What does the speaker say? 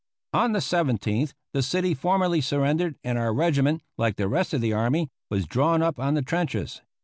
On the 17th the city formally surrendered and our regiment, like the rest of the army, was drawn up on the trenches.